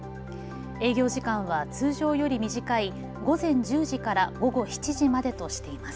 営業時間は通常より短い午前１０時から午後７時までとしています。